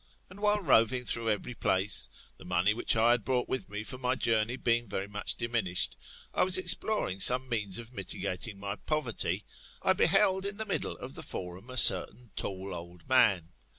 And while roving through every place, the money which I had brought with me for my journey being very much diminished, I was exploring some means of mitigating my poverty, I beheld in the middle of the forum a certain tall old man.